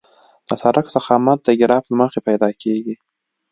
د سرک ضخامت د ګراف له مخې پیدا کیږي